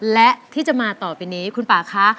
และที่จะมาต่อไปนี้คุณป่าคะ